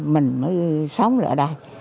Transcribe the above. mình mới sống lại đây